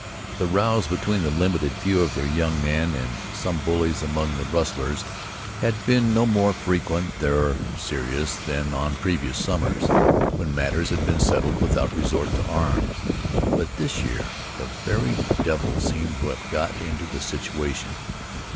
The rows between the limited few of their young men and some bullies among the "rustlers" had been no more frequent nor serious than on previous summers, when matters had been settled without resort to arms; but this year the very devil seemed to have got into the situation.